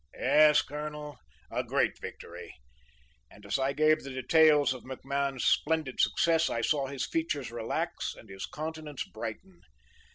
'"'Yes, Colonel, a great victory.' And as I gave the details of MacMahon's splendid success I saw his features relax and his countenance brighten.